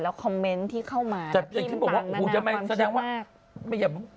แล้วคอมเมนต์ที่เข้ามาพิมพ์ตังค์น่ะนะความคิดมาก